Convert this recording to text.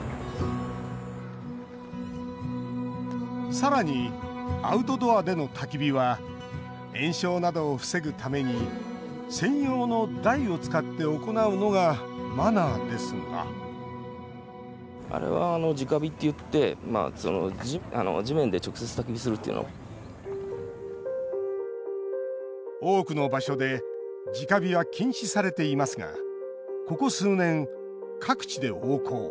さらにアウトドアでのたき火は延焼などを防ぐために専用の台を使って行うのがマナーですが多くの場所で直火は禁止されていますがここ数年、各地で横行。